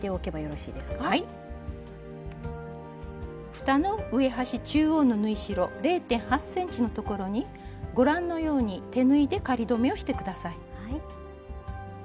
ふたの上端中央の縫い代０．８ｃｍのところにご覧のように手縫いで仮留めをして下さい。